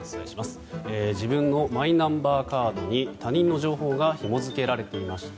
自分のマイナンバーカードに他人の情報がひもづけられていました。